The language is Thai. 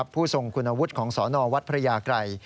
ผู้ทรงคุณวุฒิของสนวัดพระยากรัย